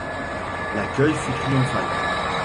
L'accueil fut triomphal.